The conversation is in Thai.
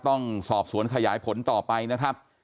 ต้องสอบสวนขยายผลต่อไปนะครับ